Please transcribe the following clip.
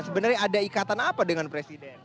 sebenarnya ada ikatan apa dengan presiden